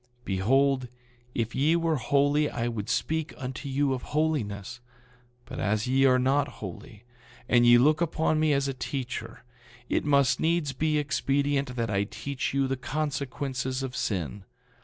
9:48 Behold, if ye were holy I would speak unto you of holiness; but as ye are not holy, and ye look upon me as a teacher, it must needs be expedient that I teach you the consequences of sin.